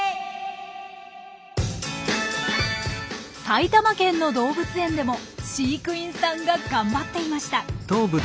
埼玉県の動物園でも飼育員さんが頑張っていました。